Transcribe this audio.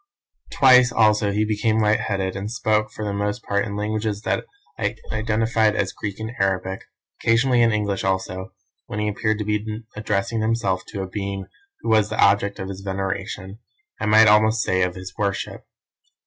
Twice also he became light headed, and spoke, for the most part in languages that I identified as Greek and Arabic; occasionally in English also, when he appeared to be addressing himself to a being who was the object of his veneration, I might almost say of his worship.